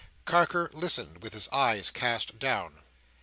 Carker listened, with his eyes cast down.